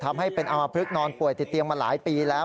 ทำให้เป็นอมพลึกนอนป่วยติดเตียงมาหลายปีแล้ว